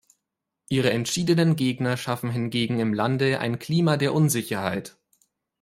Ihre entschiedenen Gegner schaffen hingegen im Lande ein Klima der Unsicherheit.